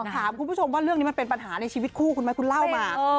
ถามคุณผู้ชมว่าเรื่องนี้มันเป็นปัญหาในชีวิตคู่คุณไหมคุณเล่ามา